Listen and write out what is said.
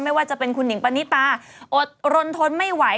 ไม่ว่าจะเป็นคุณหนิงปณิตาอดรนทนไม่ไหว